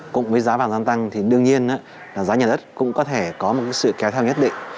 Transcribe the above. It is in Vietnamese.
cùng với giá vàng gia tăng thì đương nhiên giá nhà đất cũng có thể có một sự kéo theo nhất định